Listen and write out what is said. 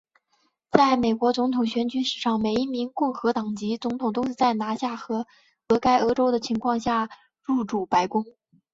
在美国总统选举史上每一名共和党籍总统都是在拿下俄亥俄州的情况下入主白宫。